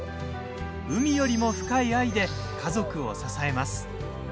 海よりも深い愛で家族を支えます。